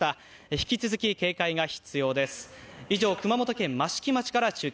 引き続き警戒が必要です。